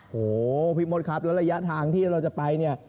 โหพี่มดครับแล้วระยะทางที่เราจะไปเนี่ย